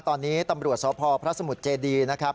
ตอนนี้ตำรวจสพพระสมุทรเจดีนะครับ